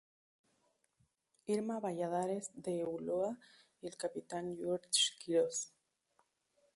Irma Balladares de Ulloa y el Capitán George Quiroz.